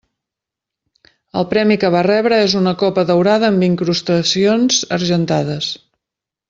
El premi que va rebre és una copa daurada amb incrustacions argentades.